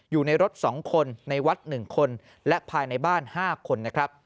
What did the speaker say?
อยู่ในรถ๒คนในวัด๑คนและภายในบ้าน๕คนนะครับ